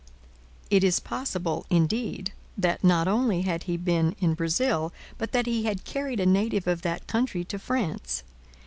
It is possible, indeed, that not only had he been in Brazil, but that he had carried a native of that country to France.